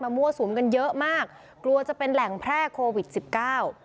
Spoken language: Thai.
มั่วสุมกันเยอะมากกลัวจะเป็นแหล่งแพร่โควิดสิบเก้า